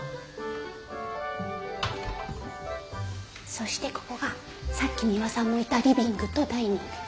そしてここがさっきミワさんもいたリビングとダイニング。